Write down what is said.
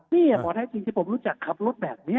นี่หมอแท้จริงที่ผมรู้จักขับรถแบบนี้